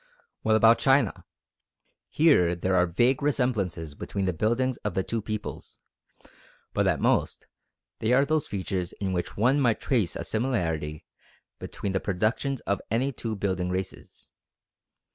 What about China? Here there are vague resemblances between the buildings of the two peoples; but at most they are those features in which one might trace a similarity between the productions of any two building races.